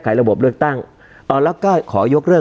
การแสดงความคิดเห็น